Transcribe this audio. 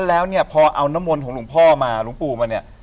แล้วพอเอานมลของลุงพ่อมาลุงปู่มาเนี่ย